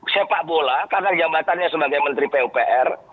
sepak bola karena jabatannya sebagai menteri pupr